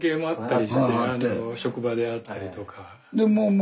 職場であったりとか。